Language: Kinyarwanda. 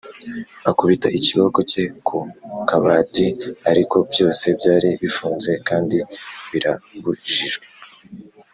akubita ikiboko cye ku kabati, ariko byose byari bifunze kandi birabujijwe;